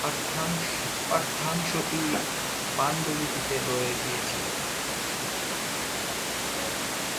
পাঠ্যাংশটি পাণ্ডুলিপিতে রয়ে গিয়েছিল।